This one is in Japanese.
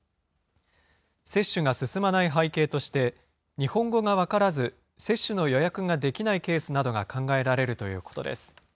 接種が進まない背景として、日本語が分からず、接種の予約ができないケースなどが考えられるということです。